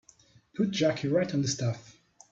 Put Jackie right on the staff.